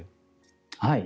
はい。